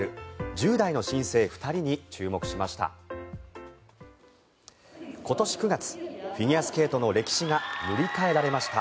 １０代の新星２人に注目しました。